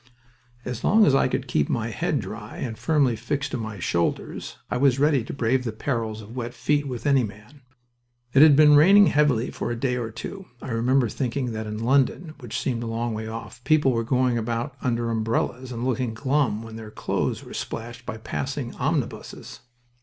As long as I could keep my head dry and firmly fixed to my shoulders, I was ready to brave the perils of wet feet with any man. It had been raining heavily for a day or two. I remember thinking that in London which seemed a long way off people were going about under umbrellas and looking glum when their clothes were splashed by passing omnibuses.